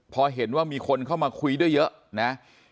พอเห็นว่ามีคนเข้ามาคุยด้วยเยอะนะ